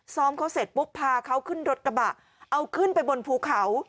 ซ้อมเขาเสร็จปุ๊บพาเขาขึ้นรถกระบะเอาขึ้นไปบนภูเขา